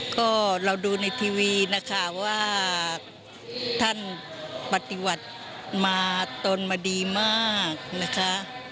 ก็เราดูในทีวีนะคะว่าท่านปฏิบัติมาตนมาดีมากนะคะ